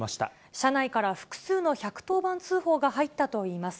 車内から複数の１１０番通報が入ったといいます。